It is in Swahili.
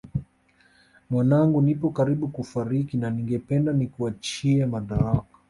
Mwanangu nipo karibu kufariki na ningependa nikuachie madaraka